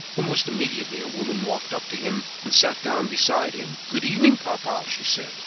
Almost immediately a woman walked up to him and sat down beside him. "Good evening, papa," she said.